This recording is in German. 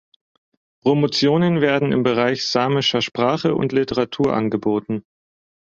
Promotionen werden im Bereich samischer Sprache und Literatur angeboten.